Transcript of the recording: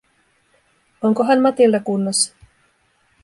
Onkohan Matilda kunnossa?